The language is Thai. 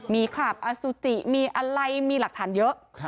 มีคราบอสุจิมีอะไรมีหลักฐานเยอะ